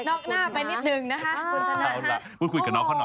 ออกหน้าไปนิดนึงนะคะคุณชนะ